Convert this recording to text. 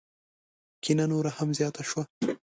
کینه نوره هم زیاته شوه.